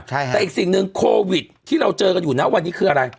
แต่อีกสิ่งหนึ่งโควิดที่เราเจอกันอยู่นะวันนี้คืออะไร